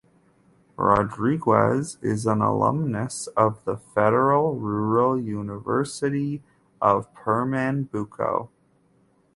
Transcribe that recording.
Rodrigues is an alumnus of the Federal Rural University of Pernambuco.